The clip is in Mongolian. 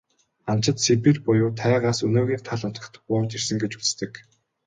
Анчид Сибирь буюу тайгаас өнөөгийн тал нутагт бууж ирсэн гэж үздэг.